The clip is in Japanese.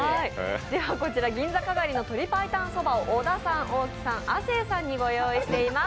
こちら銀座篝の鶏白湯Ｓｏｂａを小田さん、大木さん、亜生さんにご用意しています。